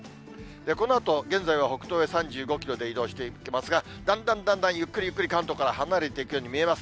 このあと現在は北東へ３５キロで移動していきますが、だんだんだんだん、ゆっくりゆっくり関東から離れていくように見えます。